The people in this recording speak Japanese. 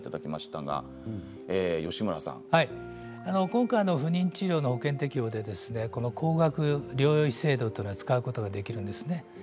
今回の不妊治療の保険適用で高額療養費制度は使うことができるんですね。